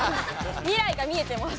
未来が見えてます！